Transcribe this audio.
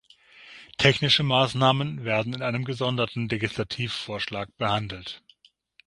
Technische Maßnahmen werden in einem gesonderten Legislativvorschlag behandelt.